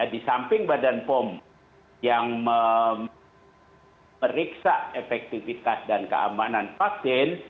di samping badan pom yang memeriksa efektivitas dan keamanan vaksin